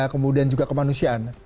kemudian juga kemanusiaan